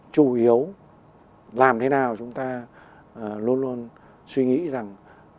chủ yếu làm thế nào chúng ta luôn luôn suy nghĩ rằng